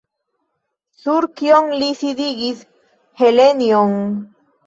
Sur kion li sidigis Helenjon?